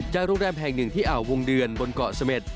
โรงแรมแห่งหนึ่งที่อ่าววงเดือนบนเกาะเสม็ด